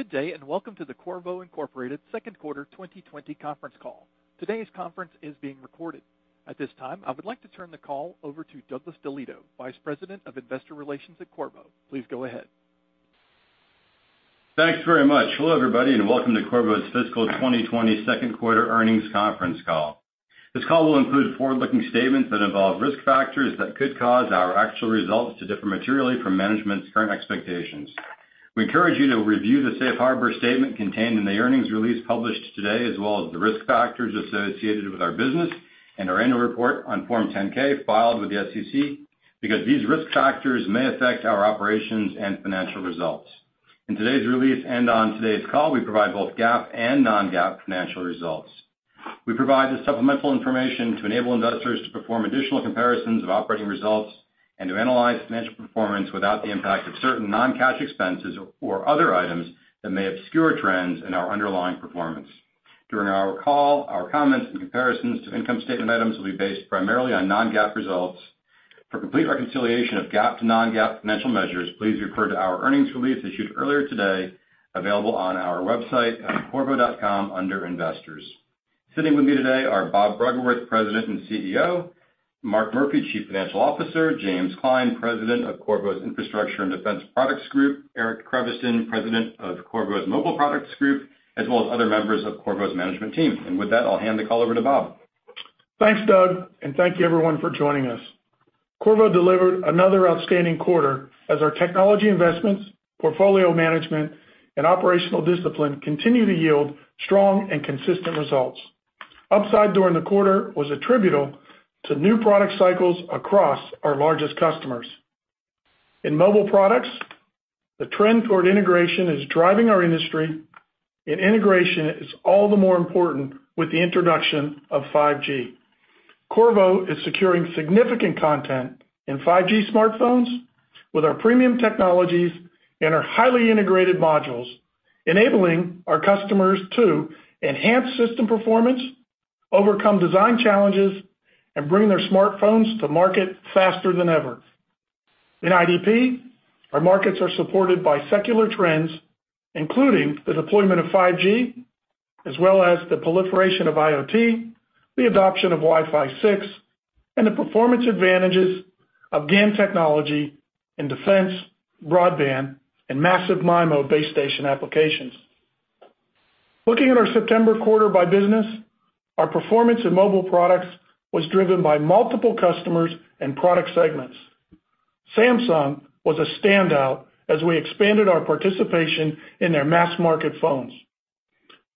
Good day, welcome to the Qorvo, Inc. second quarter 2020 conference call. Today's conference is being recorded. At this time, I would like to turn the call over to Douglas DeLieto, Vice President of Investor Relations at Qorvo. Please go ahead. Thanks very much. Hello, everybody, and welcome to Qorvo's fiscal 2020 second quarter earnings conference call. This call will include forward-looking statements that involve risk factors that could cause our actual results to differ materially from management's current expectations. We encourage you to review the safe harbor statement contained in the earnings release published today, as well as the risk factors associated with our business and our annual report on Form 10-K filed with the SEC, because these risk factors may affect our operations and financial results. In today's release and on today's call, we provide both GAAP and non-GAAP financial results. We provide this supplemental information to enable investors to perform additional comparisons of operating results and to analyze financial performance without the impact of certain non-cash expenses or other items that may obscure trends in our underlying performance. During our call, our comments and comparisons to income statement items will be based primarily on non-GAAP results. For complete reconciliation of GAAP to non-GAAP financial measures, please refer to our earnings release issued earlier today, available on our website at qorvo.com under Investors. Sitting with me today are Bob Bruggeworth, President and CEO, Mark Murphy, Chief Financial Officer, James Klein, President of Qorvo's Infrastructure and Defense Products Group, Eric Creviston, President of Qorvo's Mobile Products Group, as well as other members of Qorvo's management team. With that, I'll hand the call over to Bob. Thanks, Doug, and thank you everyone for joining us. Qorvo delivered another outstanding quarter as our technology investments, portfolio management, and operational discipline continue to yield strong and consistent results. Upside during the quarter was attributable to new product cycles across our largest customers. In Mobile Products, the trend toward integration is driving our industry, and integration is all the more important with the introduction of 5G. Qorvo is securing significant content in 5G smartphones with our premium technologies and our highly integrated modules, enabling our customers to enhance system performance, overcome design challenges, and bring their smartphones to market faster than ever. In IDP, our markets are supported by secular trends, including the deployment of 5G as well as the proliferation of IoT, the adoption of Wi-Fi 6, and the performance advantages of GaN technology in defense, broadband, and massive MIMO base station applications. Looking at our September quarter by business, our performance in Mobile Products was driven by multiple customers and product segments. Samsung was a standout as we expanded our participation in their mass-market phones.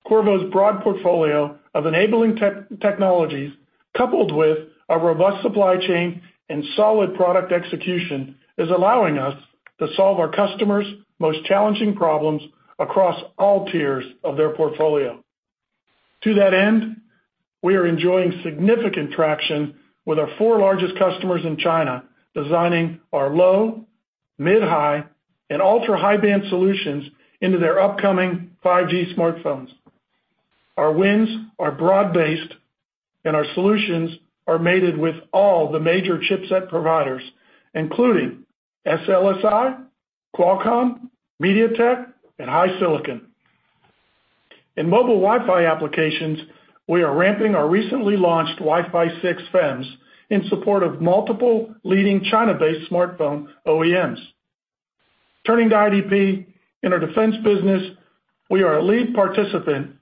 Qorvo's broad portfolio of enabling technologies, coupled with our robust supply chain and solid product execution, is allowing us to solve our customers' most challenging problems across all tiers of their portfolio. To that end, we are enjoying significant traction with our four largest customers in China, designing our low, mid-high, and ultra-high-band solutions into their upcoming 5G smartphones. Our wins are broad-based and our solutions are mated with all the major chipset providers, including SLSI, Qualcomm, MediaTek, and HiSilicon. In mobile Wi-Fi applications, we are ramping our recently launched Wi-Fi 6 FEMs in support of multiple leading China-based smartphone OEMs. Turning to IDP, in our defense business, we are a lead participant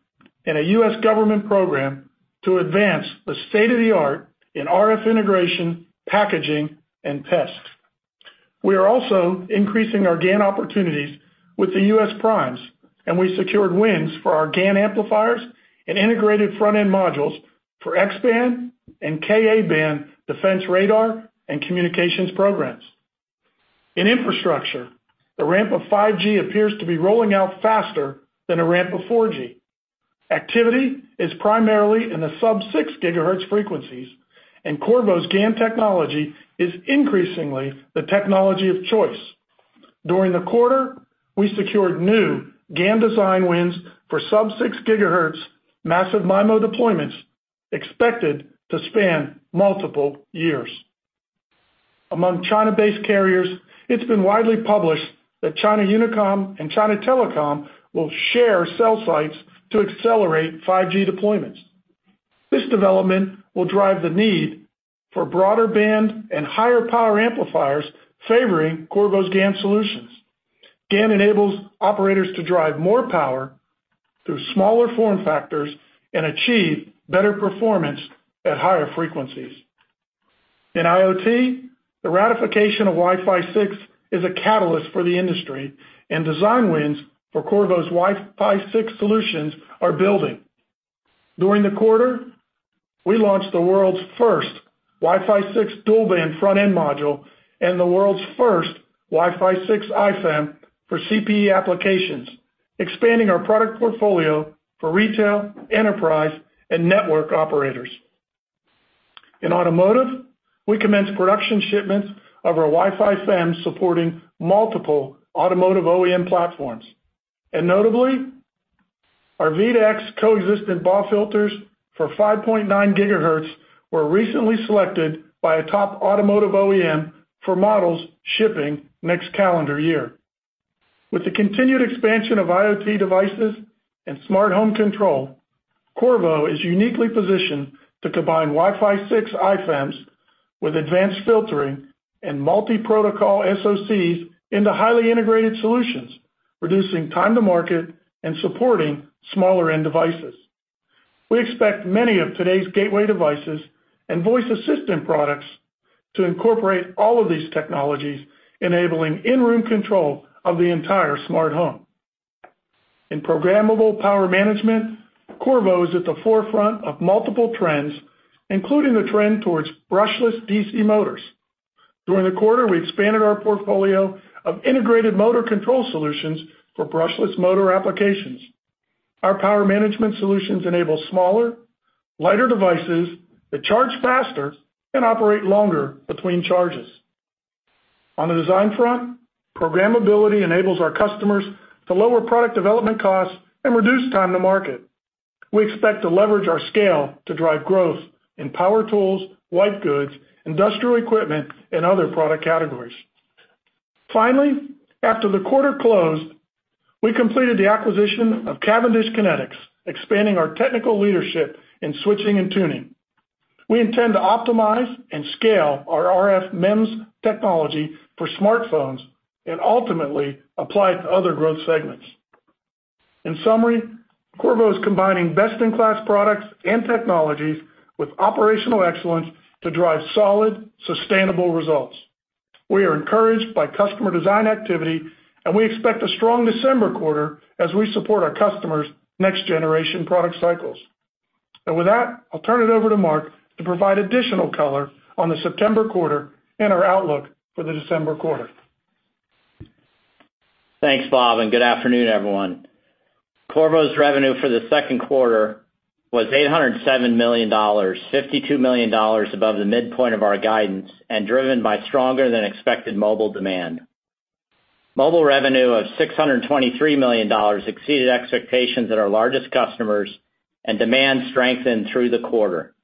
in a U.S. government program to advance the state of the art in RF integration, packaging, and tests. We are also increasing our GaN opportunities with the U.S. primes, and we secured wins for our GaN amplifiers and integrated front-end modules for X band and Ka band defense radar and communications programs. In infrastructure, the ramp of 5G appears to be rolling out faster than the ramp of 4G. Activity is primarily in the sub-6 gigahertz frequencies, Qorvo's GaN technology is increasingly the technology of choice. During the quarter, we secured new GaN design wins for sub-6 gigahertz massive MIMO deployments expected to span multiple years. Among China-based carriers, it's been widely published that China Unicom and China Telecom will share cell sites to accelerate 5G deployments. This development will drive the need for broader band and higher power amplifiers, favoring Qorvo's GaN solutions. GaN enables operators to drive more power through smaller form factors and achieve better performance at higher frequencies. In IoT, the ratification of Wi-Fi 6 is a catalyst for the industry, and design wins for Qorvo's Wi-Fi 6 solutions are building. During the quarter, we launched the world's first Wi-Fi 6 dual-band front-end module and the world's first Wi-Fi 6 iFEM for CPE applications, expanding our product portfolio for retail, enterprise, and network operators. In automotive, we commenced production shipments of our Wi-Fi FEMs supporting multiple automotive OEM platforms, and notably our V2X coexistent BAW filters for 5.9 gigahertz were recently selected by a top automotive OEM for models shipping next calendar year. With the continued expansion of IoT devices and smart home control, Qorvo is uniquely positioned to combine Wi-Fi 6 iFEMs with advanced filtering and multi-protocol SoCs into highly integrated solutions, reducing time to market and supporting smaller end devices. We expect many of today's gateway devices and voice assistant products to incorporate all of these technologies, enabling in-room control of the entire smart home. In programmable power management, Qorvo is at the forefront of multiple trends, including the trend towards brushless DC motors. During the quarter, we expanded our portfolio of integrated motor control solutions for brushless motor applications. Our power management solutions enable smaller, lighter devices that charge faster and operate longer between charges. On the design front, programmability enables our customers to lower product development costs and reduce time to market. We expect to leverage our scale to drive growth in power tools, white goods, industrial equipment, and other product categories. Finally, after the quarter closed, we completed the acquisition of Cavendish Kinetics, expanding our technical leadership in switching and tuning. We intend to optimize and scale our RF MEMS technology for smartphones, and ultimately apply it to other growth segments. In summary, Qorvo is combining best-in-class products and technologies with operational excellence to drive solid, sustainable results. We are encouraged by customer design activity, and we expect a strong December quarter as we support our customers' next-generation product cycles. With that, I'll turn it over to Mark to provide additional color on the September quarter and our outlook for the December quarter. Thanks, Bob. Good afternoon, everyone. Qorvo's revenue for the second quarter was $807 million, $52 million above the midpoint of our guidance, and driven by stronger than expected mobile demand. Mobile revenue of $623 million exceeded expectations at our largest customers. Demand strengthened through the quarter.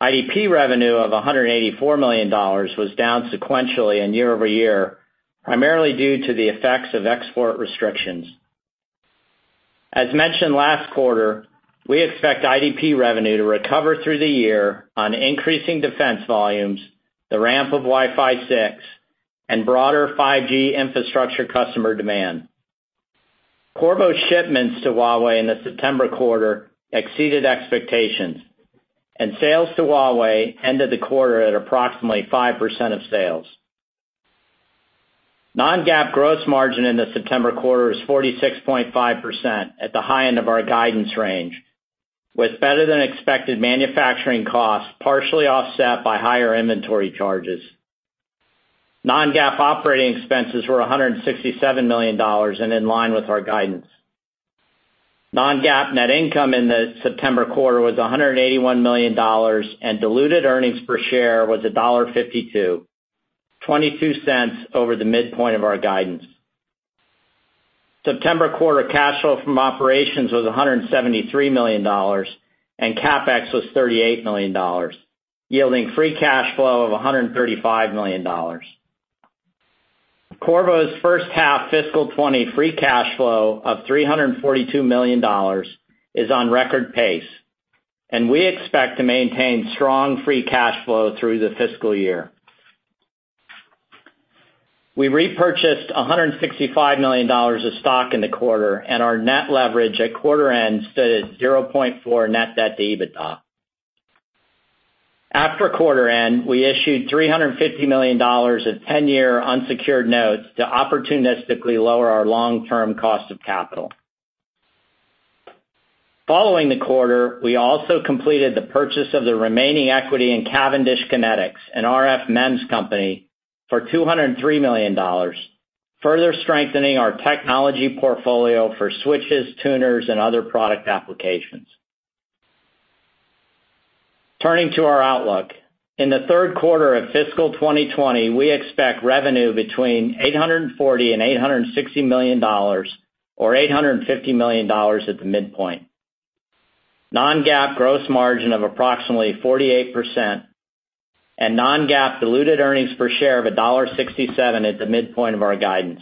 IDP revenue of $184 million was down sequentially and year-over-year, primarily due to the effects of export restrictions. As mentioned last quarter, we expect IDP revenue to recover through the year on increasing defense volumes, the ramp of Wi-Fi 6, and broader 5G infrastructure customer demand. Qorvo shipments to Huawei in the September quarter exceeded expectations. Sales to Huawei ended the quarter at approximately 5% of sales. Non-GAAP gross margin in the September quarter was 46.5% at the high end of our guidance range, with better than expected manufacturing costs partially offset by higher inventory charges. Non-GAAP operating expenses were $167 million and in line with our guidance. Non-GAAP net income in the September quarter was $181 million, diluted earnings per share was $1.52, $0.22 over the midpoint of our guidance. September quarter cash flow from operations was $173 million, CapEx was $38 million, yielding free cash flow of $135 million. Qorvo's first half fiscal 2020 free cash flow of $342 million is on record pace, we expect to maintain strong free cash flow through the fiscal year. We repurchased $165 million of stock in the quarter, our net leverage at quarter end stood at 0.4 net debt to EBITDA. After quarter end, we issued $350 million of 10-year unsecured notes to opportunistically lower our long-term cost of capital. Following the quarter, we also completed the purchase of the remaining equity in Cavendish Kinetics, an RF MEMS company, for $203 million, further strengthening our technology portfolio for switches, tuners, and other product applications. Turning to our outlook. In the third quarter of fiscal 2020, we expect revenue between $840 and $860 million, or $850 million at the midpoint. Non-GAAP gross margin of approximately 48%, and non-GAAP diluted earnings per share of $1.67 at the midpoint of our guidance.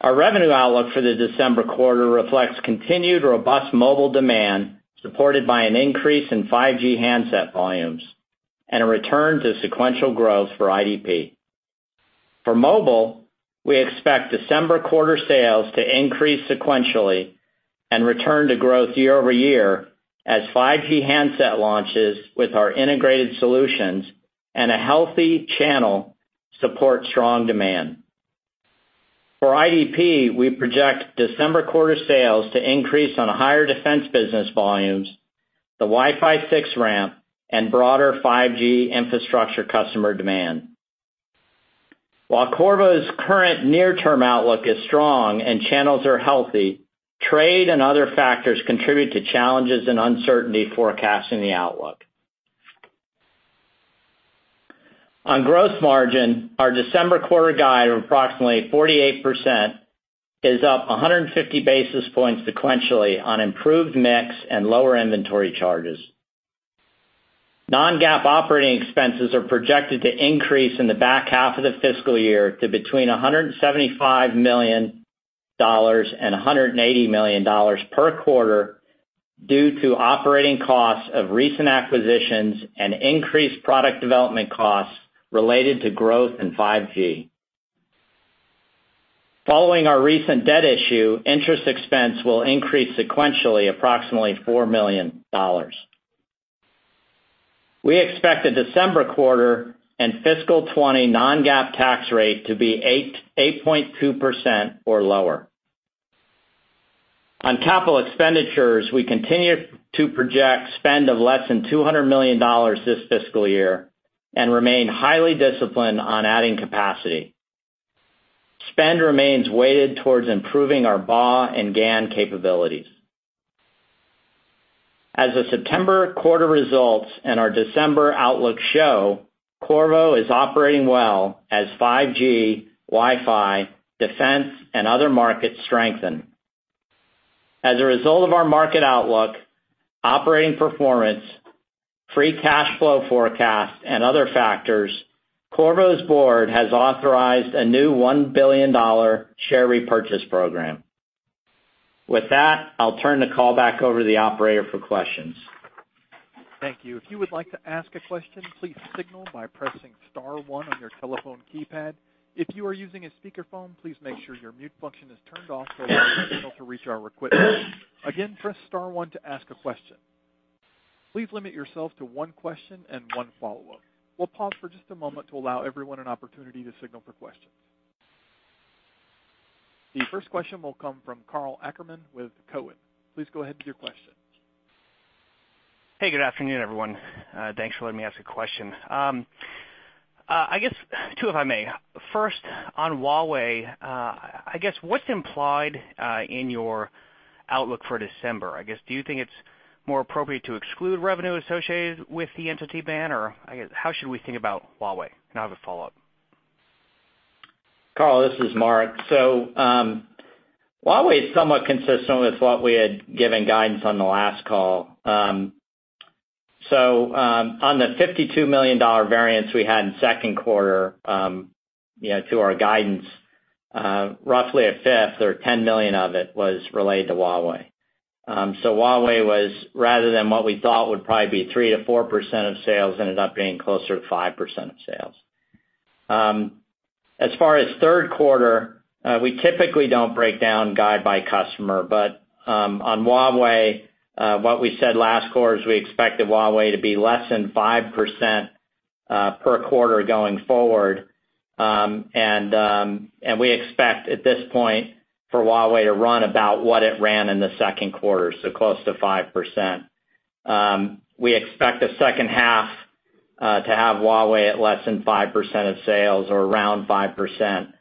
Our revenue outlook for the December quarter reflects continued robust mobile demand, supported by an increase in 5G handset volumes and a return to sequential growth for IDP. For mobile, we expect December quarter sales to increase sequentially and return to growth year-over-year as 5G handset launches with our integrated solutions and a healthy channel support strong demand. For IDP, we project December quarter sales to increase on higher defense business volumes, the Wi-Fi 6 ramp, and broader 5G infrastructure customer demand. While Qorvo's current near-term outlook is strong and channels are healthy, trade and other factors contribute to challenges and uncertainty forecasting the outlook. On gross margin, our December quarter guide of approximately 48% is up 150 basis points sequentially on improved mix and lower inventory charges. Non-GAAP operating expenses are projected to increase in the back half of the fiscal year to between $175 million and $180 million per quarter due to operating costs of recent acquisitions and increased product development costs related to growth in 5G. Following our recent debt issue, interest expense will increase sequentially approximately $4 million. We expect the December quarter and fiscal 2020 non-GAAP tax rate to be 8.2% or lower. On capital expenditures, we continue to project spend of less than $200 million this fiscal year and remain highly disciplined on adding capacity. Spend remains weighted towards improving our BAW and GaN capabilities. As the September quarter results and our December outlook show, Qorvo is operating well as 5G, Wi-Fi, defense, and other markets strengthen. As a result of our market outlook, operating performance, free cash flow forecast, and other factors, Qorvo's board has authorized a new $1 billion share repurchase program. With that, I'll turn the call back over to the operator for questions. Thank you. If you would like to ask a question, please signal by pressing star one on your telephone keypad. If you are using a speakerphone, please make sure your mute function is turned off to allow your signal to reach our equipment. Again, press star one to ask a question. Please limit yourself to one question and one follow-up. We will pause for just a moment to allow everyone an opportunity to signal for questions. The first question will come from Karl Ackerman with Cowen. Please go ahead with your question. Hey, good afternoon, everyone. Thanks for letting me ask a question. I guess two, if I may. First, on Huawei, I guess what's implied in your outlook for December? I guess, do you think it's more appropriate to exclude revenue associated with the entity ban, or how should we think about Huawei? I have a follow-up. Karl, this is Mark. Huawei is somewhat consistent with what we had given guidance on the last call. On the $52 million variance we had in second quarter to our guidance, roughly a fifth or $10 million of it was related to Huawei. Huawei was rather than what we thought would probably be 3%-4% of sales, ended up being closer to 5% of sales. As far as third quarter, we typically don't break down guide by customer, but on Huawei, what we said last quarter is we expected Huawei to be less than 5% per quarter going forward. We expect at this point for Huawei to run about what it ran in the second quarter, so close to 5%. We expect the second half to have Huawei at less than 5% of sales or around 5%.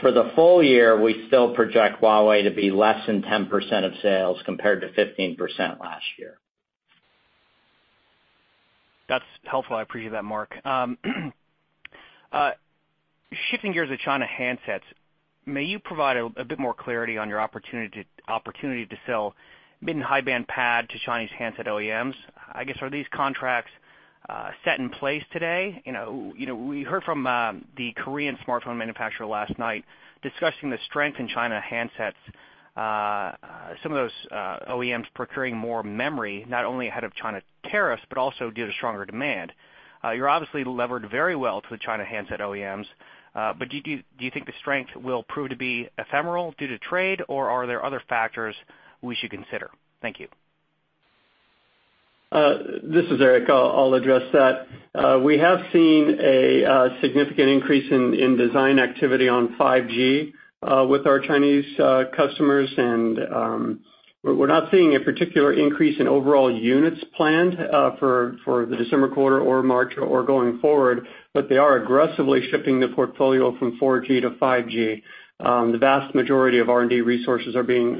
For the full year, we still project Huawei to be less than 10% of sales compared to 15% last year. That's helpful. I appreciate that, Mark. Shifting gears to China handsets, may you provide a bit more clarity on your opportunity to sell mid and high-band PAMiD to Chinese handset OEMs? I guess, are these contracts set in place today? We heard from the Korean smartphone manufacturer last night discussing the strength in China handsets, some of those OEMs procuring more memory, not only ahead of China tariffs, but also due to stronger demand. You're obviously levered very well to the China handset OEMs, but do you think the strength will prove to be ephemeral due to trade, or are there other factors we should consider? Thank you. This is Eric. I'll address that. We have seen a significant increase in design activity on 5G with our Chinese customers, and we're not seeing a particular increase in overall units planned for the December quarter or March or going forward, but they are aggressively shifting the portfolio from 4G to 5G. The vast majority of R&D resources are being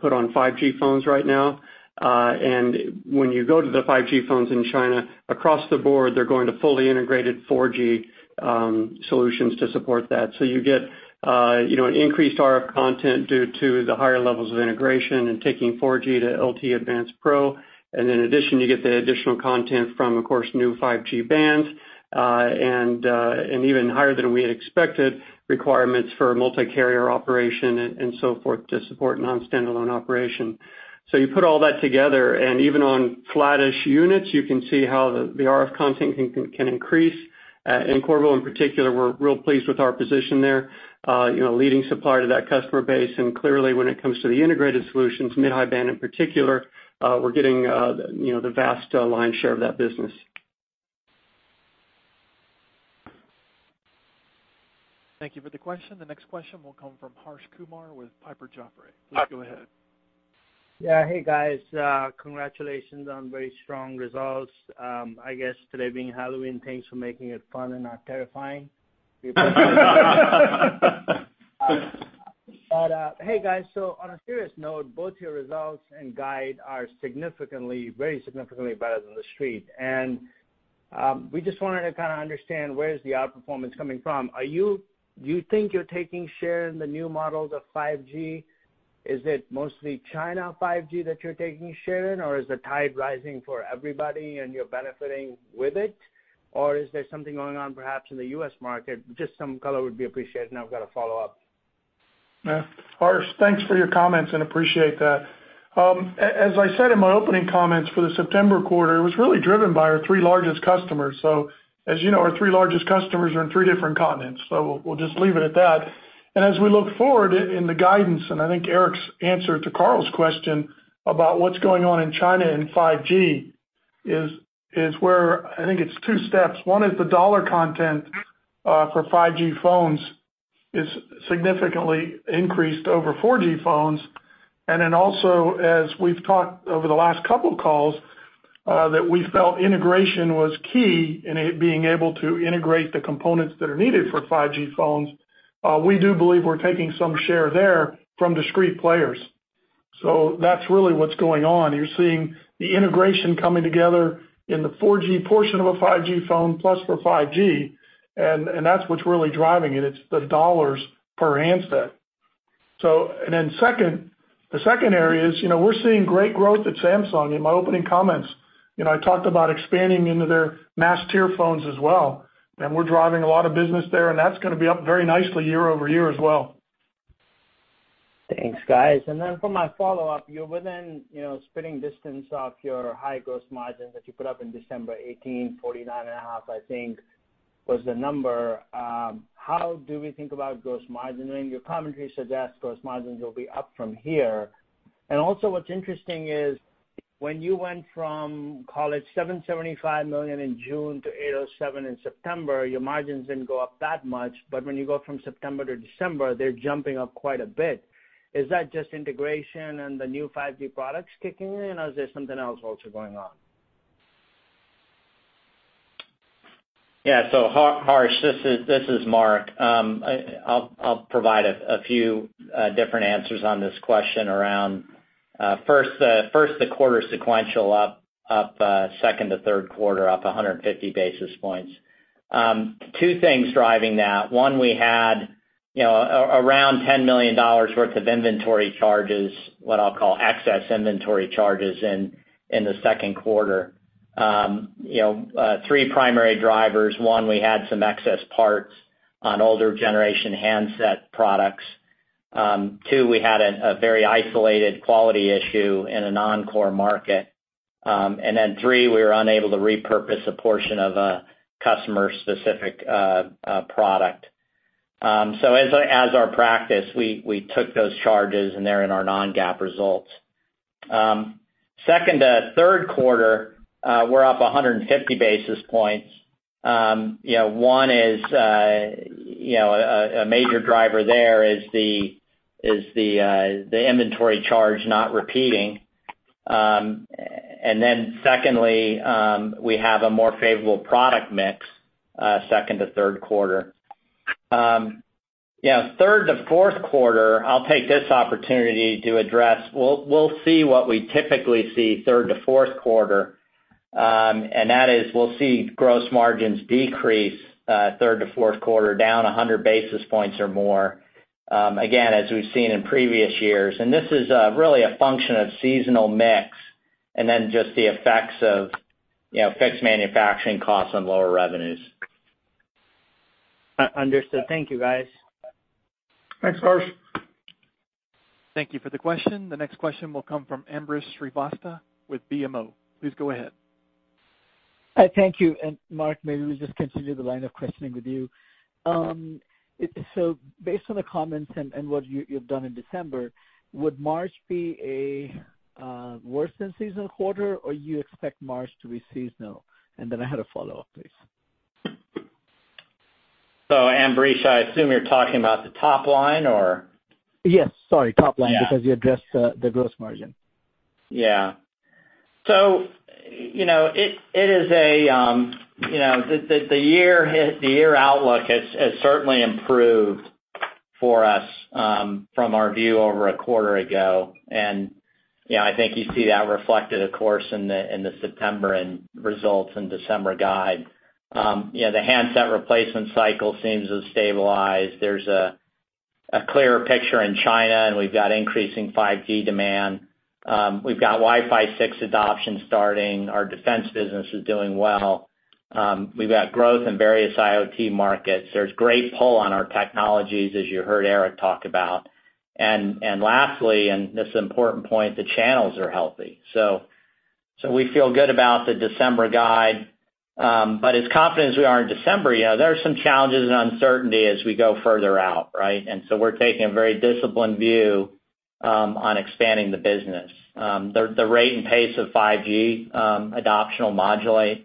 put on 5G phones right now. When you go to the 5G phones in China, across the board, they're going to fully integrated 4G solutions to support that. You get an increased RF content due to the higher levels of integration and taking 4G to LTE Advanced Pro. In addition, you get the additional content from, of course, new 5G bands, and even higher than we had expected requirements for multi-carrier operation and so forth to support non-standalone operation. You put all that together, and even on flattish units, you can see how the RF content can increase. In Qorvo in particular, we're real pleased with our position there, leading supplier to that customer base. Clearly, when it comes to the integrated solutions, mid, high band in particular, we're getting the vast lion's share of that business. Thank you for the question. The next question will come from Harsh Kumar with Piper Sandler. Please go ahead. Yeah. Hey, guys. Congratulations on very strong results. I guess today being Halloween, thanks for making it fun and not terrifying. Hey guys, on a serious note, both your results and guide are very significantly better than the street. We just wanted to kind of understand where is the outperformance coming from. Do you think you're taking share in the new models of 5G? Is it mostly China 5G that you're taking share in, or is the tide rising for everybody and you're benefiting with it? Is there something going on perhaps in the U.S. market? Just some color would be appreciated, and I've got a follow-up. Harsh, thanks for your comments and appreciate that. As I said in my opening comments for the September quarter, it was really driven by our three largest customers. As you know, our three largest customers are in three different continents, so we'll just leave it at that. As we look forward in the guidance, I think Eric's answer to Karl's question about what's going on in China and 5G is where I think it's two steps. One is the $ content for 5G phones is significantly increased over 4G phones. Also, as we've talked over the last couple calls, that we felt integration was key in being able to integrate the components that are needed for 5G phones. We do believe we're taking some share there from discrete players. That's really what's going on. You're seeing the integration coming together in the 4G portion of a 5G phone plus for 5G. That's what's really driving it. It's the dollars per handset. The second area is we're seeing great growth at Samsung. In my opening comments, I talked about expanding into their mass tier phones as well, and we're driving a lot of business there, and that's going to be up very nicely year-over-year as well. Thanks, guys. For my follow-up, you're within spitting distance of your high gross margins that you put up in December 2018, 49.5%, I think was the number. How do we think about gross margin? Your commentary suggests gross margins will be up from here. What's interesting is when you went from, call it $775 million in June to $807 million in September, your margins didn't go up that much, but when you go from September to December, they're jumping up quite a bit. Is that just integration and the new 5G products kicking in, or is there something else also going on? Yeah. Harsh, this is Mark. I'll provide a few different answers on this question around first the quarter sequential up second to third quarter, up 150 basis points. Two things driving that. One, we had around $10 million worth of inventory charges, what I'll call excess inventory charges in the second quarter. Three primary drivers. One, we had some excess parts on older generation handset products. Two, we had a very isolated quality issue in a non-core market. Three, we were unable to repurpose a portion of a customer-specific product. As our practice, we took those charges, and they're in our non-GAAP results. Second to third quarter, we're up 150 basis points. One is a major driver there is the inventory charge not repeating. Secondly, we have a more favorable product mix, second to third quarter. Third to fourth quarter, I'll take this opportunity to address. We'll see what we typically see third to fourth quarter, and that is we'll see gross margins decrease third to fourth quarter, down 100 basis points or more, again, as we've seen in previous years. This is really a function of seasonal mix and then just the effects of fixed manufacturing costs and lower revenues. Understood. Thank you, guys. Thanks, Harsh. Thank you for the question. The next question will come from Ambrish Srivastava with BMO. Please go ahead. Thank you. Mark, maybe we just continue the line of questioning with you. Based on the comments and what you've done in December, would March be a worse than seasonal quarter, or you expect March to be seasonal? I had a follow-up, please. Ambrish, I assume you're talking about the top line, or? Yes. Sorry, top line because you addressed the gross margin. The year outlook has certainly improved for us from our view over a quarter ago. I think you see that reflected, of course, in the September end results and December guide. The handset replacement cycle seems to have stabilized. There is a clearer picture in China, and we've got increasing 5G demand. We've got Wi-Fi 6 adoption starting. Our defense business is doing well. We've got growth in various IoT markets. There is great pull on our technologies, as you heard Eric talk about. Lastly, and this important point, the channels are healthy. We feel good about the December guide. As confident as we are in December, there are some challenges and uncertainty as we go further out, right? We're taking a very disciplined view on expanding the business. The rate and pace of 5G adoption will modulate.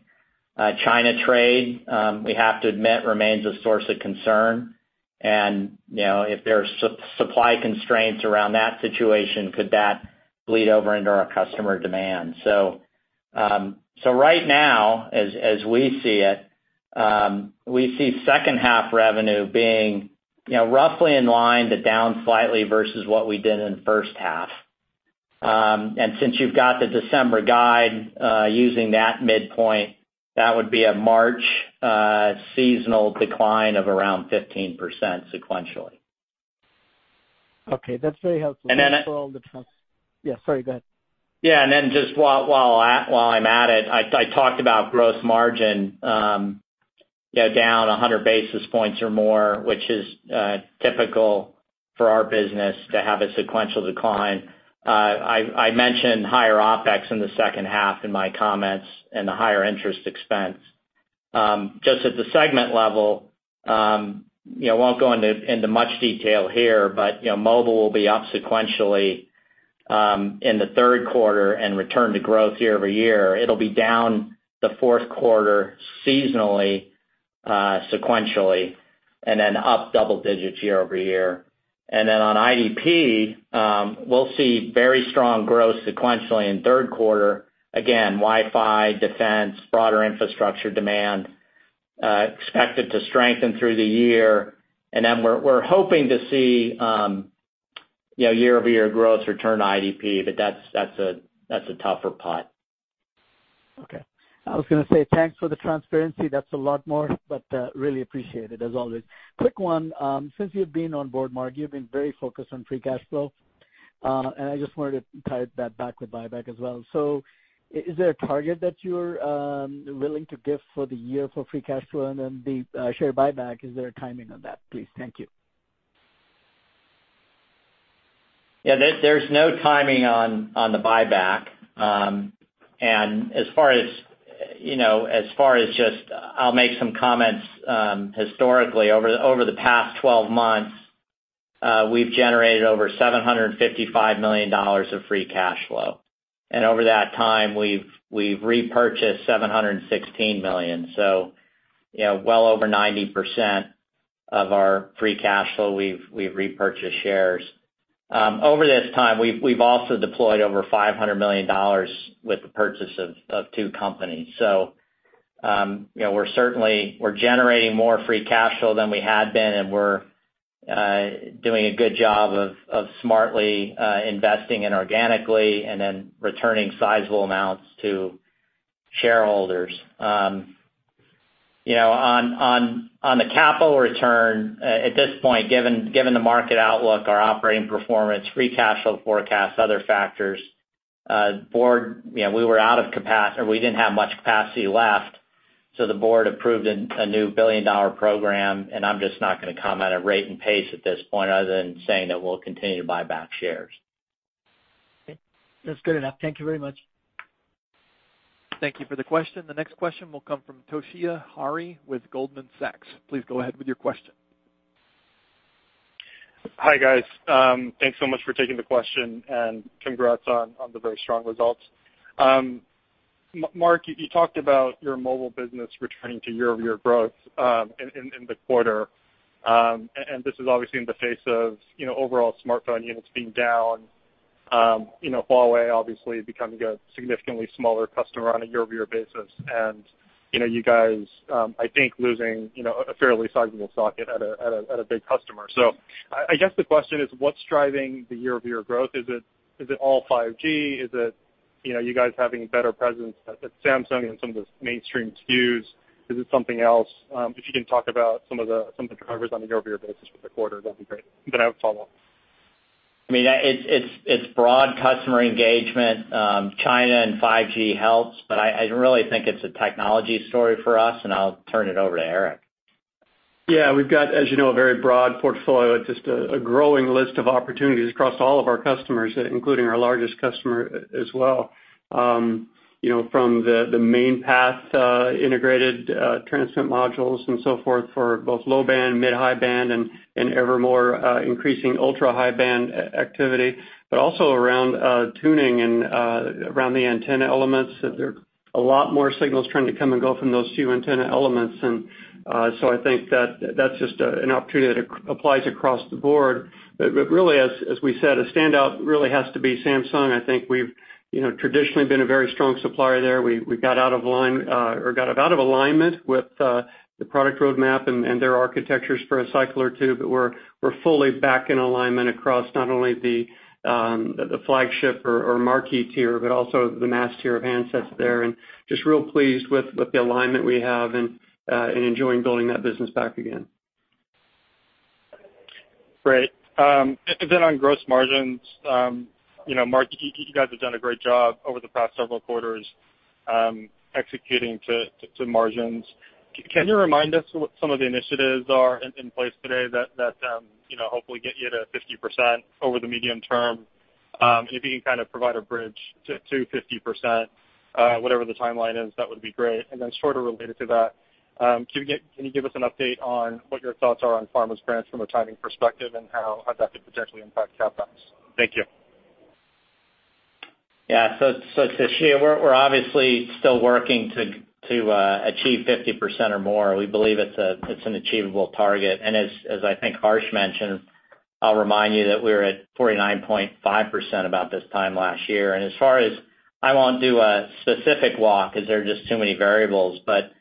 China trade, we have to admit, remains a source of concern. If there are supply constraints around that situation, could that bleed over into our customer demand? We see second half revenue being roughly in line to down slightly versus what we did in the first half. Since you've got the December guide, using that midpoint, that would be a March seasonal decline of around 15% sequentially. Okay. That's very helpful. And then- Yeah, sorry. Go ahead. Just while I'm at it, I talked about gross margin down 100 basis points or more, which is typical for our business to have a sequential decline. I mentioned higher OpEx in the second half in my comments and the higher interest expense. Just at the segment level, won't go into much detail here, but Mobile will be up sequentially, in the third quarter and return to growth year-over-year. It'll be down the fourth quarter seasonally, sequentially, and then up double digits year-over-year. On IDP, we'll see very strong growth sequentially in third quarter. Again, Wi-Fi, defense, broader infrastructure demand expected to strengthen through the year. We're hoping to see year-over-year growth return to IDP, but that's a tougher pot. Okay. I was going to say thanks for the transparency. That's a lot more, but really appreciate it as always. Quick one. Since you've been on board, Mark, you've been very focused on free cash flow. I just wanted to tie that back with buyback as well. Is there a target that you're willing to give for the year for free cash flow? Then the share buyback, is there a timing on that, please? Thank you. Yeah. There's no timing on the buyback. As far as just, I'll make some comments, historically, over the past 12 months, we've generated over $755 million of free cash flow. Over that time, we've repurchased $716 million. Well over 90% of our free cash flow, we've repurchased shares. Over this time, we've also deployed over $500 million with the purchase of two companies. We're generating more free cash flow than we had been, and we're doing a good job of smartly investing in organically and then returning sizable amounts to shareholders. On the capital return, at this point, given the market outlook, our operating performance, free cash flow forecast, other factors, we didn't have much capacity left. The board approved a new $1 billion program. I'm just not going to comment on rate and pace at this point other than saying that we'll continue to buy back shares. Okay. That's good enough. Thank you very much. Thank you for the question. The next question will come from Toshiya Hari with Goldman Sachs. Please go ahead with your question. Hi, guys. Thanks so much for taking the question and congrats on the very strong results. Mark, you talked about your mobile business returning to year-over-year growth in the quarter. This is obviously in the face of overall smartphone units being down. Huawei obviously becoming a significantly smaller customer on a year-over-year basis. You guys, I think losing a fairly sizable socket at a big customer. I guess the question is what's driving the year-over-year growth? Is it all 5G? Is it you guys having better presence at Samsung and some of the mainstream SKUs? Is it something else? If you can talk about some of the drivers on a year-over-year basis for the quarter, that'd be great. I have a follow-up. It's broad customer engagement. China and 5G helps, but I really think it's a technology story for us, and I'll turn it over to Eric. Yeah. We've got, as you know, a very broad portfolio. It's just a growing list of opportunities across all of our customers, including our largest customer as well. From the main path integrated transmit modules and so forth for both low band, mid, high band, and ever more increasing ultra-high band activity, but also around tuning and around the antenna elements. There are a lot more signals trying to come and go from those two antenna elements. I think that's just an opportunity that applies across the board. Really, as we said, a standout really has to be Samsung. I think we've traditionally been a very strong supplier there. We got out of alignment with the product roadmap and their architectures for a cycle or two, but we're fully back in alignment across not only the flagship or marquee tier, but also the mass tier of handsets there. Just real pleased with the alignment we have and enjoying building that business back again. Great. On gross margins, Mark, you guys have done a great job over the past several quarters executing to margins. Can you remind us what some of the initiatives are in place today that hopefully get you to 50% over the medium term? If you can kind of provide a bridge to 50%, whatever the timeline is, that would be great. Sort of related to that, can you give us an update on what your thoughts are on GaN's plans from a timing perspective and how that could potentially impact CapEx? Thank you. Toshiya, we're obviously still working to achieve 50% or more. We believe it's an achievable target. As I think Harsh mentioned, I'll remind you that we were at 49.5% about this time last year. As far as I won't do a specific walk, because there are just too many variables, but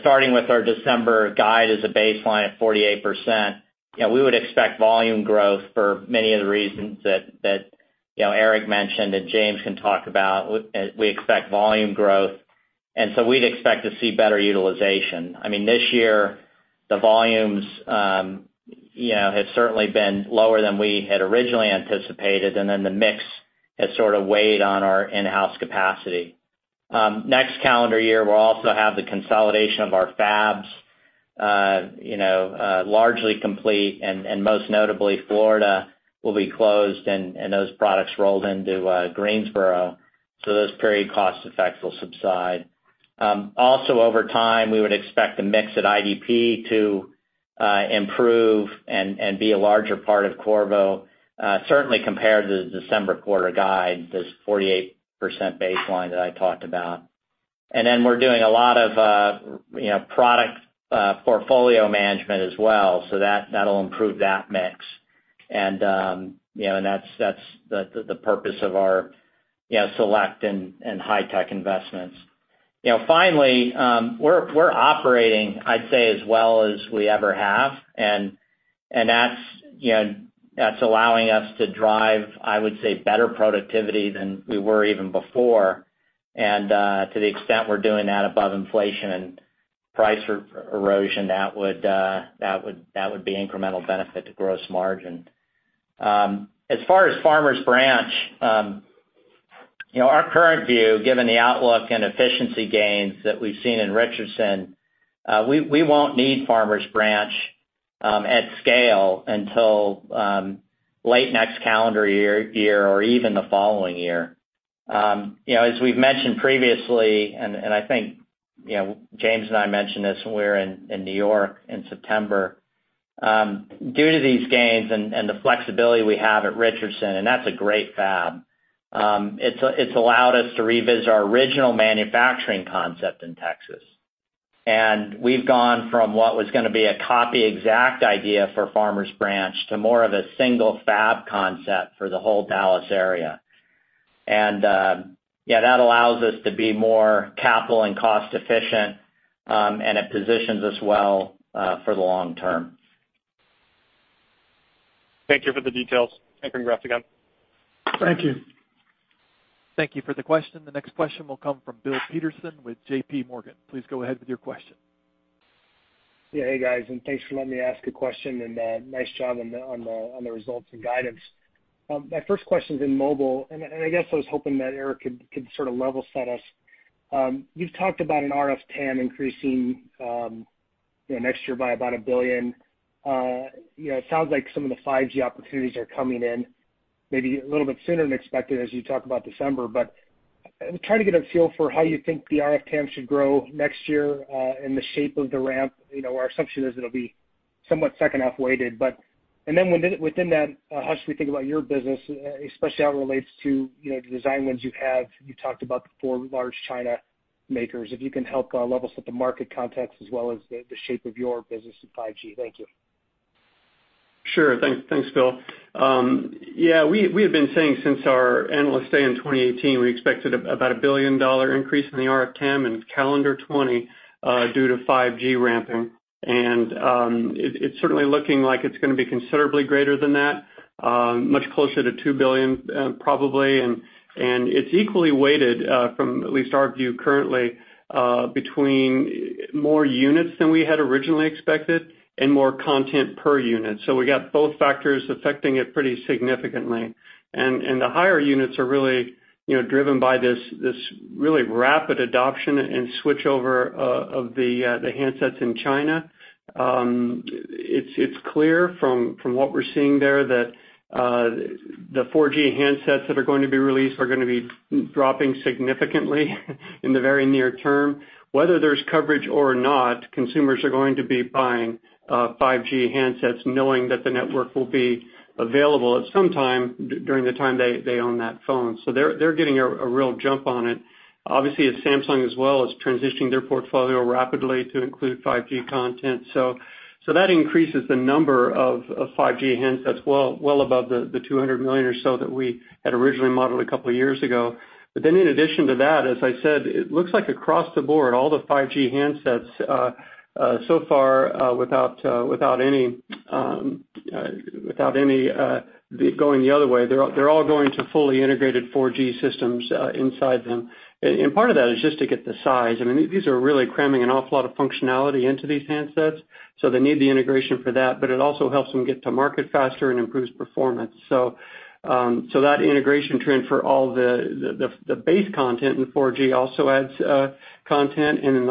starting with our December guide as a baseline at 48%, we would expect volume growth for many of the reasons that Eric mentioned and James can talk about. We expect volume growth. We'd expect to see better utilization. This year, the volumes have certainly been lower than we had originally anticipated. The mix has sort of weighed on our in-house capacity. Next calendar year, we'll also have the consolidation of our fabs, largely complete and most notably Florida will be closed and those products rolled into Greensboro, so those period cost effects will subside. Over time, we would expect the mix at IDP to improve and be a larger part of Qorvo, certainly compared to the December quarter guide, this 48% baseline that I talked about. We're doing a lot of product portfolio management as well, so that'll improve that mix. That's the purpose of our select and high tech investments. Finally, we're operating, I'd say, as well as we ever have, and that's allowing us to drive, I would say, better productivity than we were even before. To the extent we're doing that above inflation and price erosion, that would be incremental benefit to gross margin. As far as Farmers Branch, our current view, given the outlook and efficiency gains that we've seen in Richardson, we won't need Farmers Branch at scale until late next calendar year or even the following year. As we've mentioned previously, I think James and I mentioned this when we were in New York in September, due to these gains and the flexibility we have at Richardson, and that's a great fab, it's allowed us to revisit our original manufacturing concept in Texas. We've gone from what was going to be a copy-exact idea for Farmers Branch to more of a single fab concept for the whole Dallas area. That allows us to be more capital and cost efficient, and it positions us well for the long term. Thank you for the details. Thank you. Thank you. Thank you for the question. The next question will come from Bill Peterson with JP Morgan. Please go ahead with your question. Yeah. Hey, guys, thanks for letting me ask a question and nice job on the results and guidance. My first question is in Mobile, and I guess I was hoping that Eric could sort of level set us. You've talked about an RF TAM increasing next year by about $1 billion. It sounds like some of the 5G opportunities are coming in maybe a little bit sooner than expected as you talk about December. I'm trying to get a feel for how you think the RF TAM should grow next year and the shape of the ramp. Our assumption is it'll be somewhat second half weighted. Within that, how should we think about your business, especially how it relates to the design wins you have? You talked about the four large China makers. If you can help level set the market context as well as the shape of your business with 5G. Thank you. Sure. Thanks, Bill. Yeah, we have been saying since our Analyst Day in 2018, we expected about a billion-dollar increase in the RF TAM in calendar 2020 due to 5G ramping. It's certainly looking like it's going to be considerably greater than that, much closer to $2 billion probably. It's equally weighted from at least our view currently between more units than we had originally expected and more content per unit. We got both factors affecting it pretty significantly. The higher units are really driven by this really rapid adoption and switchover of the handsets in China. It's clear from what we're seeing there that the 4G handsets that are going to be released are going to be dropping significantly in the very near term. Whether there's coverage or not, consumers are going to be buying 5G handsets knowing that the network will be available at some time during the time they own that phone. They're getting a real jump on it. Obviously, as Samsung as well is transitioning their portfolio rapidly to include 5G content. That increases the number of 5G handsets well above the 200 million or so that we had originally modeled a couple of years ago. In addition to that, as I said, it looks like across the board, all the 5G handsets so far, without any going the other way, they're all going to fully integrated 4G systems inside them. Part of that is just to get the size. These are really cramming an awful lot of functionality into these handsets, so they need the integration for that, but it also helps them get to market faster and improves performance. That integration trend for all the base content in 4G also adds content. The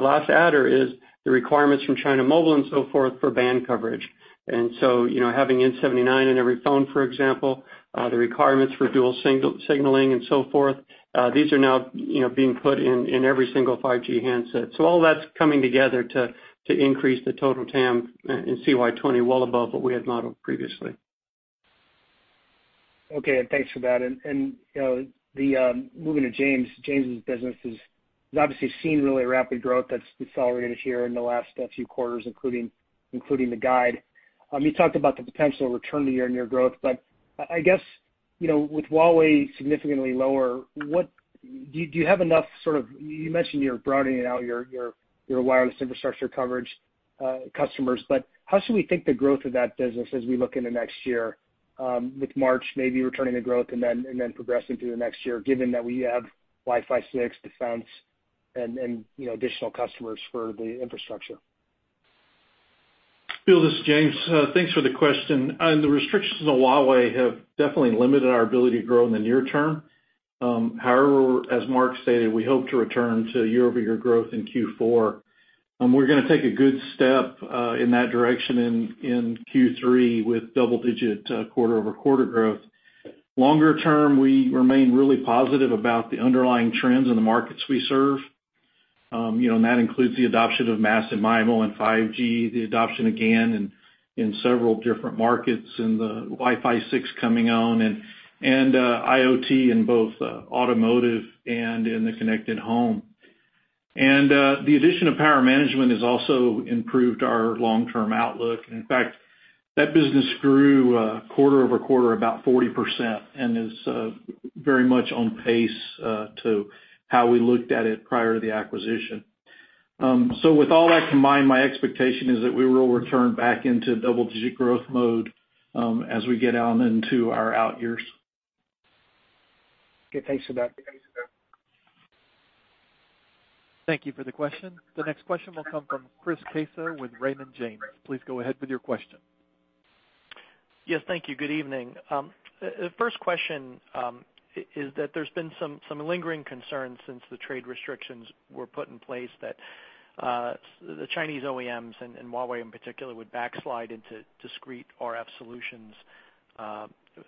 last adder is the requirements from China Mobile and so forth for band coverage. Having N79 in every phone, for example, the requirements for dual signaling and so forth, these are now being put in every single 5G handset. All that's coming together to increase the total TAM in CY 2020 well above what we had modeled previously. Okay, thanks for that. Moving to James. James' business has obviously seen really rapid growth that's decelerated here in the last few quarters, including the guide. You talked about the potential return to year-on-year growth, but I guess, with Huawei significantly lower, do you have enough you mentioned you're broadening out your wireless infrastructure coverage customers, but how should we think the growth of that business as we look into next year with March maybe returning to growth and then progressing through the next year, given that we have Wi-Fi 6, defense, and additional customers for the infrastructure? Bill, this is James. Thanks for the question. The restrictions on Huawei have definitely limited our ability to grow in the near term. As Mark stated, we hope to return to year-over-year growth in Q4. We're going to take a good step in that direction in Q3 with double-digit quarter-over-quarter growth. Longer term, we remain really positive about the underlying trends in the markets we serve. That includes the adoption of massive MIMO and 5G, the adoption of GaN in several different markets, the Wi-Fi 6 coming on, and IoT in both automotive and in the connected home. The addition of power management has also improved our long-term outlook. In fact, that business grew quarter-over-quarter about 40% and is very much on pace to how we looked at it prior to the acquisition. With all that combined, my expectation is that we will return back into double-digit growth mode as we get on into our out years. Okay, thanks for that. Thank you for the question. The next question will come from Chris Caso with Raymond James. Please go ahead with your question. Yes, thank you. Good evening. The first question is that there's been some lingering concerns since the trade restrictions were put in place that the Chinese OEMs and Huawei in particular, would backslide into discrete RF solutions,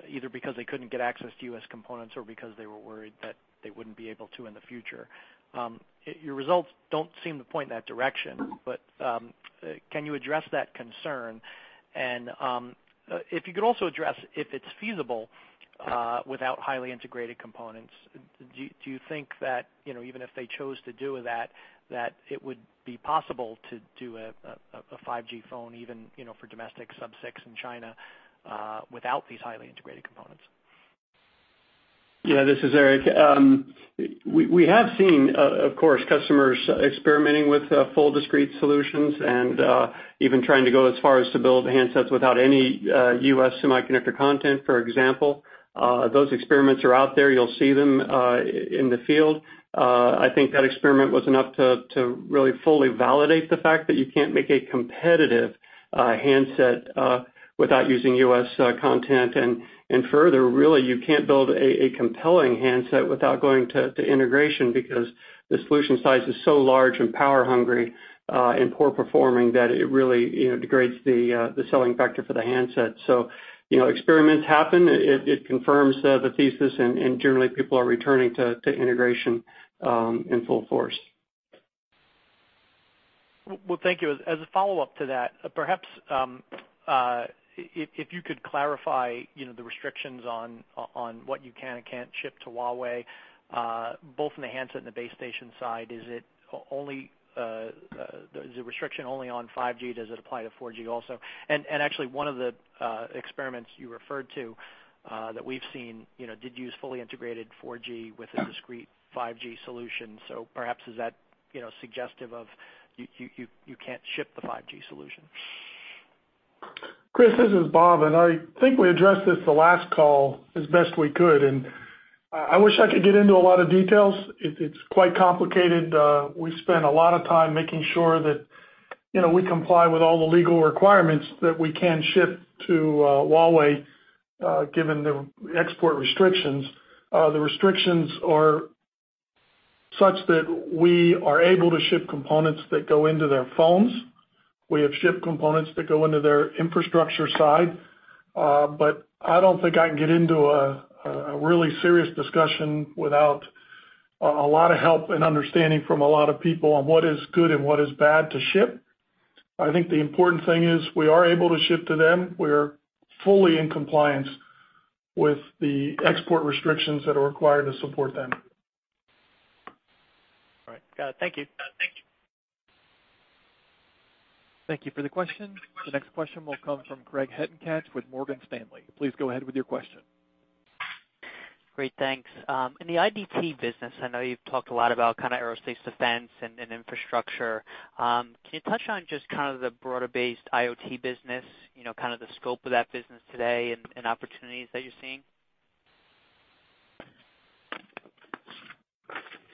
either because they couldn't get access to U.S. components or because they were worried that they wouldn't be able to in the future. Your results don't seem to point in that direction. Can you address that concern? If you could also address if it's feasible without highly integrated components, do you think that even if they chose to do that it would be possible to do a 5G phone even for domestic sub-6 in China without these highly integrated components? Yeah, this is Eric. We have seen, of course, customers experimenting with full discrete solutions and even trying to go as far as to build handsets without any U.S. semiconductor content, for example. Those experiments are out there. You'll see them in the field. I think that experiment was enough to really fully validate the fact that you can't make a competitive handset without using U.S. content. Further, really, you can't build a compelling handset without going to integration because the solution size is so large and power hungry and poor performing that it really degrades the selling factor for the handset. Experiments happen, it confirms the thesis and generally people are returning to integration in full force. Well, thank you. As a follow-up to that, perhaps if you could clarify the restrictions on what you can and can't ship to Huawei, both in the handset and the base station side. Is the restriction only on 5G? Does it apply to 4G also? Actually, one of the experiments you referred to that we've seen did use fully integrated 4G with a discrete 5G solution. Perhaps is that suggestive of you can't ship the 5G solution? Chris, this is Bob, and I think we addressed this the last call as best we could, and I wish I could get into a lot of details. It's quite complicated. We spent a lot of time making sure that we comply with all the legal requirements that we can ship to Huawei, given the export restrictions. The restrictions are such that we are able to ship components that go into their phones. We have shipped components that go into their infrastructure side. I don't think I can get into a really serious discussion without a lot of help and understanding from a lot of people on what is good and what is bad to ship. I think the important thing is we are able to ship to them. We're fully in compliance with the export restrictions that are required to support them. All right. Got it. Thank you. Thank you for the question. The next question will come from Craig Hettenbach with Morgan Stanley. Please go ahead with your question. Great, thanks. In the IDP business, I know you've talked a lot about aerospace, defense, and infrastructure. Can you touch on just kind of the broader-based IoT business, kind of the scope of that business today and opportunities that you're seeing?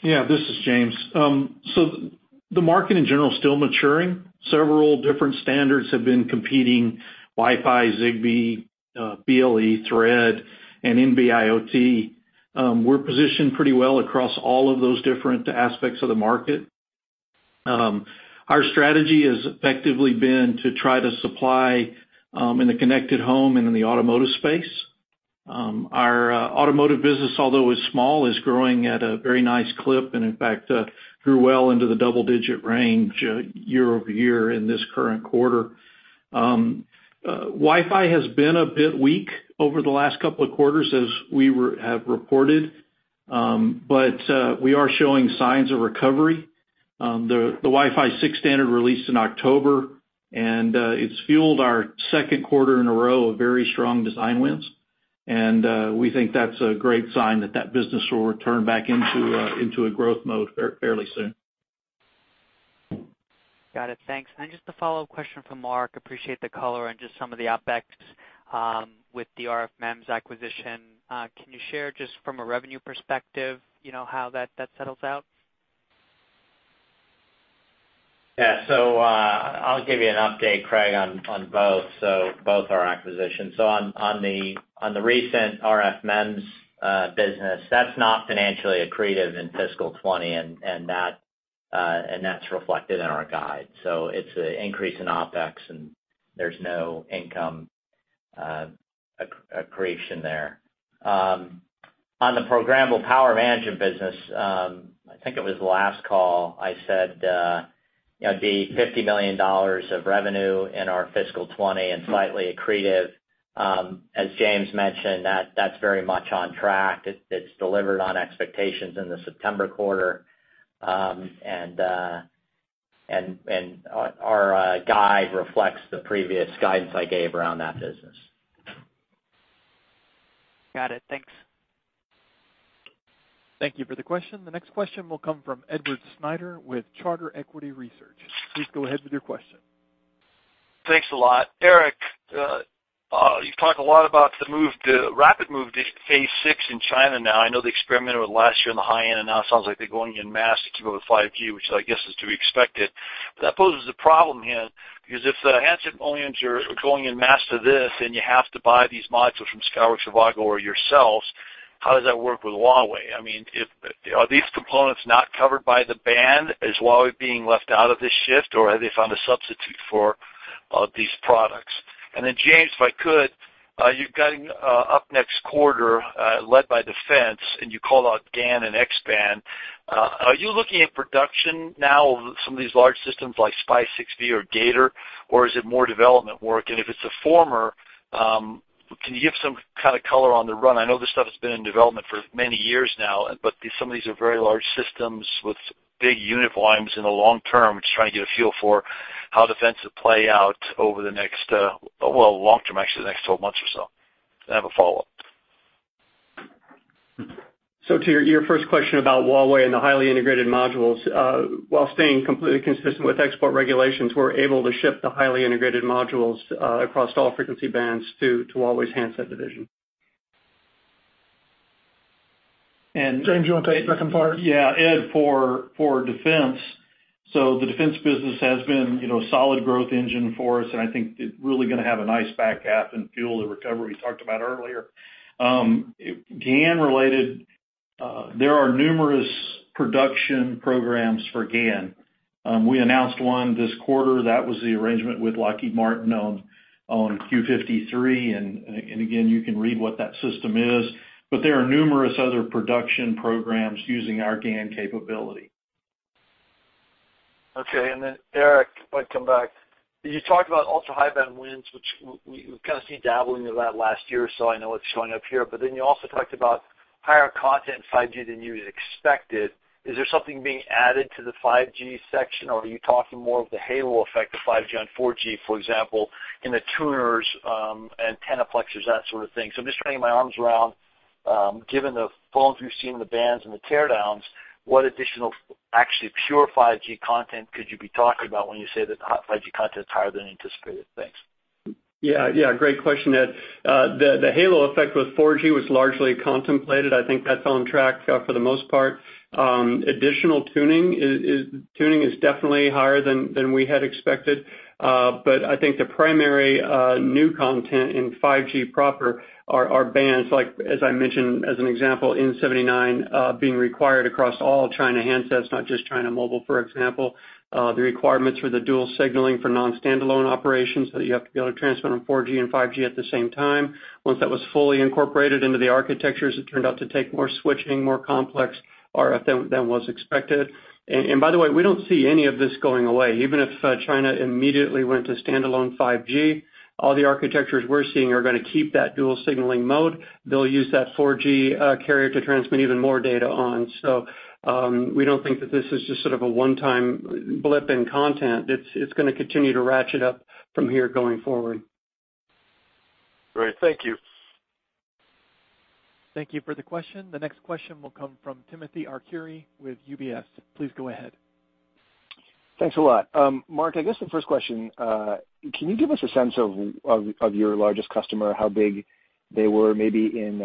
Yeah, this is James. The market in general is still maturing. Several different standards have been competing, Wi-Fi, Zigbee, BLE, Thread, and NB-IoT. We're positioned pretty well across all of those different aspects of the market. Our strategy has effectively been to try to supply in the connected home and in the automotive space. Our automotive business, although is small, is growing at a very nice clip, and in fact, grew well into the double-digit range year-over-year in this current quarter. Wi-Fi has been a bit weak over the last couple of quarters, as we have reported We are showing signs of recovery. The Wi-Fi 6 standard released in October, it's fueled our second quarter in a row of very strong design wins. We think that's a great sign that business will return back into a growth mode fairly soon. Got it. Thanks. Just a follow-up question for Mark. Appreciate the color on just some of the OpEx with the RF MEMS acquisition. Can you share just from a revenue perspective, how that settles out? I'll give you an update, Craig, on both our acquisitions. On the recent RF MEMS business, that's not financially accretive in fiscal 2020, and that's reflected in our guide. It's an increase in OpEx, and there's no income accretion there. On the programmable power management business, I think it was last call I said, the $50 million of revenue in our fiscal 2020 and slightly accretive. As James mentioned, that's very much on track. It's delivered on expectations in the September quarter. Our guide reflects the previous guidance I gave around that business. Got it. Thanks. Thank you for the question. The next question will come from Edward Snyder with Charter Equity Research. Please go ahead with your question. Thanks a lot. Eric, you've talked a lot about the rapid move to phase 6 in China now. I know they experimented with it last year on the high end. Now it sounds like they're going en masse to keep up with 5G, which I guess is to be expected. That poses a problem here, because if the handset OEMs are going en masse to this, you have to buy these modules from Skyworks, Avago or yourselves, how does that work with Huawei? Are these components not covered by the ban? Is Huawei being left out of this shift? Have they found a substitute for these products? James, if I could, you've got up next quarter, led by defense, and you called out GaN and X-band. Are you looking at production now of some of these large systems like SPY-6V or GATOR? Is it more development work? If it's the former, can you give some kind of color on the run? I know this stuff has been in development for many years now, but some of these are very large systems with big unit volumes in the long term. I'm just trying to get a feel for how defensive play out over the next, well, long term, actually, the next 12 months or so. I have a follow-up. To your first question about Huawei and the highly integrated modules, while staying completely consistent with export regulations, we're able to ship the highly integrated modules across all frequency bands to Huawei's handset division. James, do you want to take the second part? Yeah, Ed, for defense, the defense business has been a solid growth engine for us, and I think it's really gonna have a nice back half and fuel the recovery we talked about earlier. GaN related, there are numerous production programs for GaN. We announced one this quarter. That was the arrangement with Lockheed Martin on Q-53. Again, you can read what that system is, but there are numerous other production programs using our GaN capability. Okay, Eric, might come back. You talked about ultra-high-band wins, which we kind of see dabbling of that last year or so. I know it's showing up here, you also talked about higher content in 5G than you had expected. Is there something being added to the 5G section, or are you talking more of the halo effect of 5G on 4G, for example, in the tuners, antenna plexes, that sort of thing? I'm just trying to get my arms around, given the phones you've seen, the bands and the teardowns, what additional actually pure 5G content could you be talking about when you say that 5G content is higher than anticipated? Thanks. Great question, Ed. The halo effect with 4G was largely contemplated. I think that's on track for the most part. Additional tuning is definitely higher than we had expected. I think the primary new content in 5G proper are bands like, as I mentioned as an example, N79 being required across all China handsets, not just China Mobile, for example. The requirements for the dual signaling for non-standalone operations, so you have to be able to transmit on 4G and 5G at the same time. Once that was fully incorporated into the architectures, it turned out to take more switching, more complex RF than was expected. By the way, we don't see any of this going away. Even if China immediately went to standalone 5G, all the architectures we're seeing are gonna keep that dual signaling mode. They'll use that 4G carrier to transmit even more data on. We don't think that this is just sort of a one-time blip in content. It's going to continue to ratchet up from here going forward. Great. Thank you. Thank you for the question. The next question will come from Timothy Arcuri with UBS. Please go ahead. Thanks a lot. Mark, I guess the first question, can you give us a sense of your largest customer, how big they were maybe in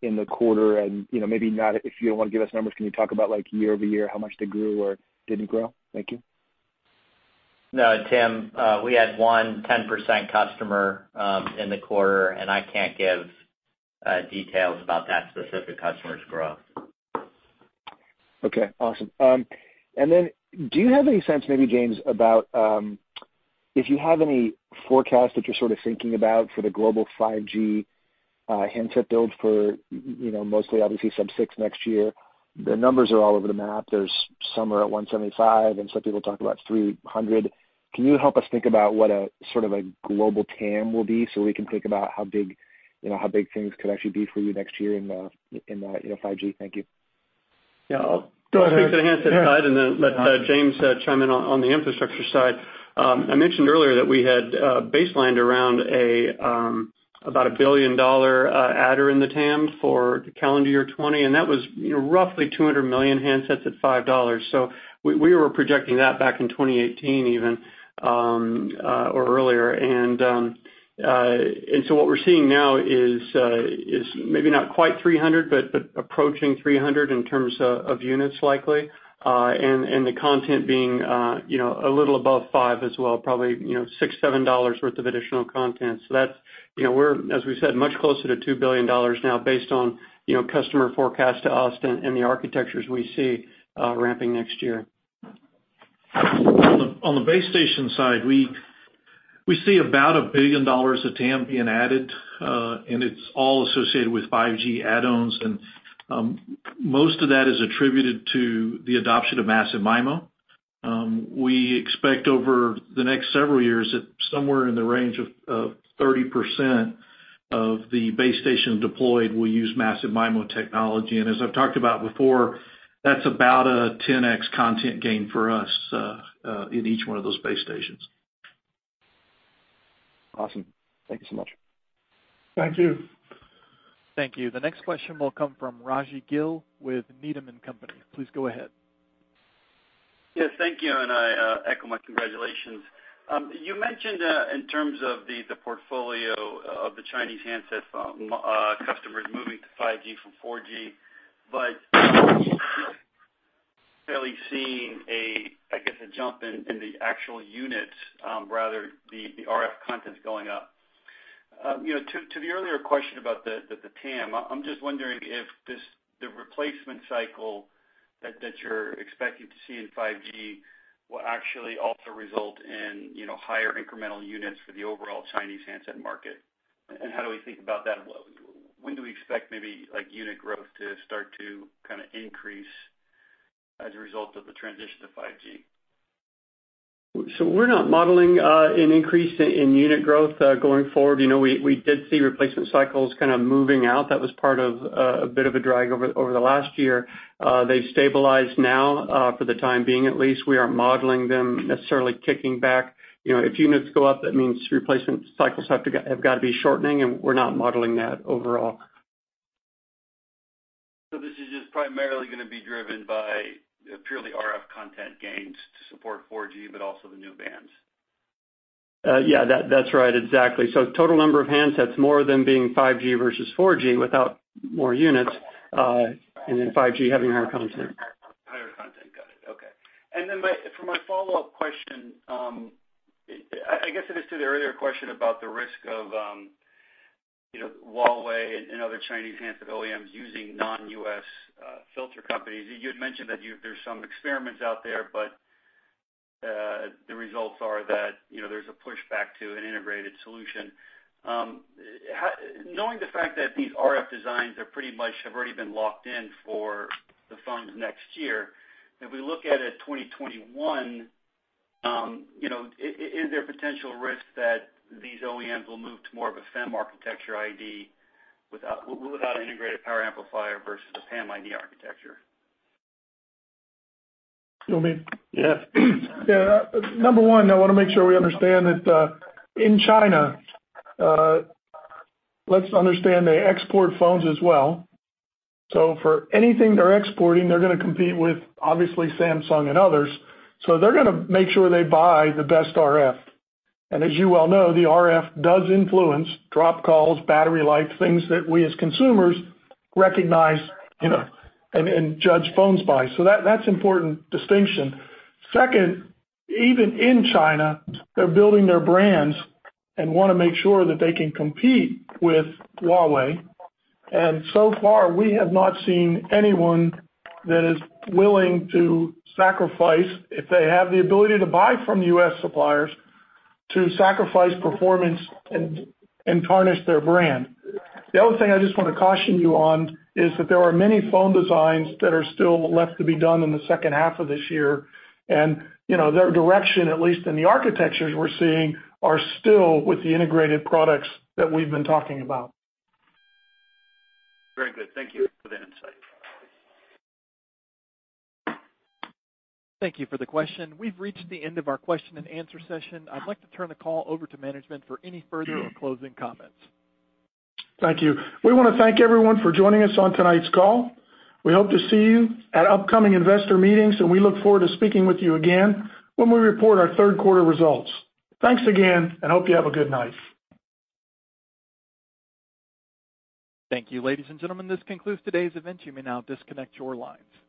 the quarter and maybe not if you don't want to give us numbers, can you talk about year-over-year how much they grew or didn't grow? Thank you. No, Tim, we had one 10% customer in the quarter, and I can't give details about that specific customer's growth. Okay. Awesome. Do you have any sense, maybe James, about if you have any forecast that you're sort of thinking about for the global 5G handset build for mostly obviously sub-6 next year? The numbers are all over the map. There's some are at 175, and some people talk about 300. Can you help us think about what a global TAM will be so we can think about how big things could actually be for you next year in the 5G? Thank you. Yeah. Go ahead. speak to the handset side and then let James chime in on the infrastructure side. I mentioned earlier that we had baselined around about a $1 billion adder in the TAM for calendar year 2020, that was roughly $200 million handsets at $5. We were projecting that back in 2018 even, or earlier. What we're seeing now is maybe not quite 300, but approaching 300 in terms of units likely. The content being a little above $5 as well, probably $6, $7 worth of additional content. As we said, much closer to $2 billion now based on customer forecast to us and the architectures we see ramping next year. On the base station side, we see about $1 billion of TAM being added, and it's all associated with 5G add-ons, and most of that is attributed to the adoption of massive MIMO. We expect over the next several years that somewhere in the range of 30% of the base station deployed will use massive MIMO technology. As I've talked about before, that's about a 10x content gain for us in each one of those base stations. Awesome. Thank you so much. Thank you. Thank you. The next question will come from Rajvindra Gill with Needham & Company. Please go ahead. Yes, thank you. I echo my congratulations. You mentioned, in terms of the portfolio of the Chinese handset phone customers moving to 5G from 4G, but fairly seeing a, I guess, a jump in the actual units, rather the RF contents going up. To the earlier question about the TAM, I'm just wondering if the replacement cycle that you're expecting to see in 5G will actually also result in higher incremental units for the overall Chinese handset market. How do we think about that? When do we expect maybe unit growth to start to increase as a result of the transition to 5G? We're not modeling an increase in unit growth, going forward. We did see replacement cycles kind of moving out. That was part of a bit of a drag over the last year. They've stabilized now, for the time being, at least. We aren't modeling them necessarily kicking back. If units go up, that means replacement cycles have got to be shortening, and we're not modeling that overall. This is just primarily going to be driven by purely RF content gains to support 4G, but also the new bands. Yeah, that's right, exactly. Total number of handsets, more of them being 5G versus 4G without more units, and then 5G having higher content. Higher content. Got it. Okay. For my follow-up question, I guess it is to the earlier question about the risk of Huawei and other Chinese handset OEMs using non-U.S. filter companies. You had mentioned that there's some experiments out there, but the results are that there's a pushback to an integrated solution. Knowing the fact that these RF designs pretty much have already been locked in for the phones next year, if we look at it 2021, is there potential risk that these OEMs will move to more of a FEM architecture ID without an integrated power amplifier versus a PAMiD architecture? You want me? Yes. Number one, I want to make sure we understand that, in China, let's understand they export phones as well. For anything they're exporting, they're gonna compete with, obviously, Samsung and others. They're gonna make sure they buy the best RF. As you well know, the RF does influence drop calls, battery life, things that we, as consumers, recognize and judge phones by. That's important distinction. Second, even in China, they're building their brands and want to make sure that they can compete with Huawei, so far we have not seen anyone that is willing to sacrifice, if they have the ability to buy from U.S. suppliers, to sacrifice performance and tarnish their brand. The other thing I just want to caution you on is that there are many phone designs that are still left to be done in the second half of this year, and their direction, at least in the architectures we're seeing, are still with the integrated products that we've been talking about. Very good. Thank you for the insight. Thank you for the question. We've reached the end of our question and answer session. I'd like to turn the call over to management for any further or closing comments. Thank you. We want to thank everyone for joining us on tonight's call. We hope to see you at upcoming investor meetings, and we look forward to speaking with you again when we report our third quarter results. Thanks again, and hope you have a good night. Thank you, ladies and gentlemen, this concludes today's event. You may now disconnect your lines.